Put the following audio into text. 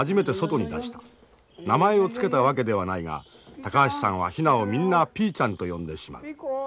名前を付けたわけではないが高橋さんはヒナをみんなピーちゃんと呼んでしまう。